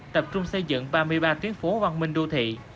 tập trung xây dựng ba mươi ba tuyến phố văn minh đô thị